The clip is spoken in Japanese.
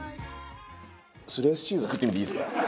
スライスチーズ食ってみていいですか？